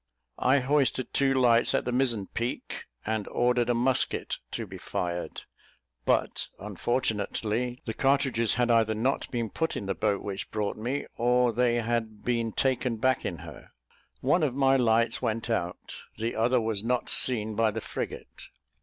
I hoisted two lights at the mizen peak, and ordered a musket to be fired; but, unfortunately, the cartridges had either not been put in the boat which brought me, or they had been taken back in her. One of my lights went out; the other was not seen by the frigate.